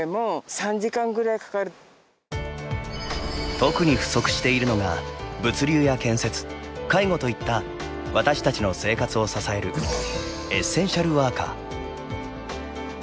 特に不足しているのが物流や建設、介護といった私たちの生活を支えるエッセンシャルワーカー。